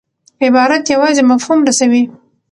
عبارت یوازي مفهوم رسوي.